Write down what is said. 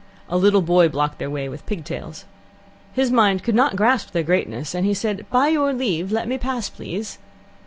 A little boy blocked their way with pig tails. His mind could not grasp their greatness, and he said: "By your leave; let me pass, please."